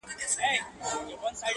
زه به د درد يوه بې درده فلسفه بيان کړم.